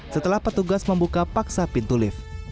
setelah petugas membuka paksa pintu lift